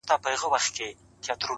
هره ورځ د نوي جوړېدو فرصت دی،